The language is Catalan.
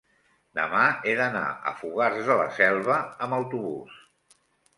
demà he d'anar a Fogars de la Selva amb autobús.